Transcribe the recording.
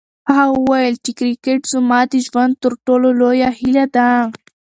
هغه وویل چې کرکټ زما د ژوند تر ټولو لویه هیله ده.